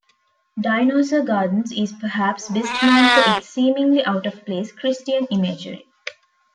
Dinosaur Gardens is perhaps best known for its seemingly out-of-place Christian imagery.